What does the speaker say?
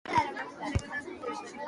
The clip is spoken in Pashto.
هسي نه چي لیري ولاړ سو په مزلونو